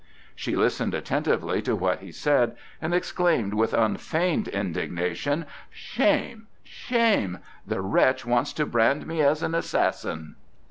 She listened attentively to what he said, and exclaimed with unfeigned indignation, "Shame! Shame! The wretch wants to brand me as an assassin!"